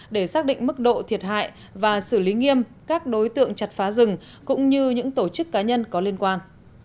để xác định mức độ thiệt hại và xử lý nghiêm các đối tượng chặt phá rừng cũng như những tổ chức cá nhân có liên quan